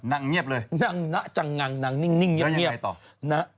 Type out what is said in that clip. นางเงียบเลยนางนางจังงังนางนิ่งยังเงียบ